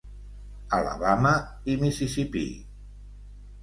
Alabama i Mississipí.